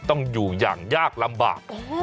ต้องอยู่อย่างยากลำบาก